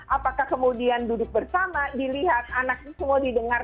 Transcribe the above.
apakah kemudian duduk bersama dilihat anaknya semua didengar